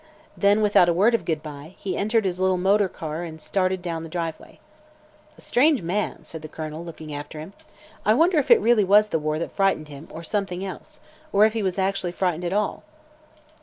Then, without a word of good bye, he entered his little motor car and started down the driveway. "A strange man," said the Colonel, looking after him. "I wonder if it really was the war that frightened him or something else or if he was actually frightened at all?"